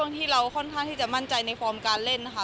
ที่เราค่อนข้างที่จะมั่นใจในฟอร์มการเล่นนะคะ